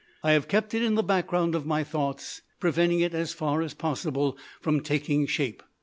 I have kept it in the background of my thoughts, preventing it as far as possible from taking shape.